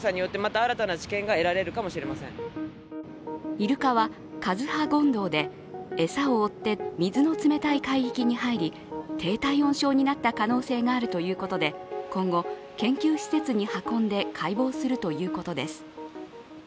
イルカはカズハゴンドウで餌を追って水の冷たい海域に入り、低体温症になった可能性があるということで今後、研究施設に運んで解剖するということです。